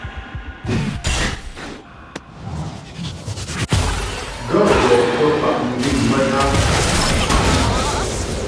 Gàə́ gɔ kwə̂ pá' mdék maə́tá'a.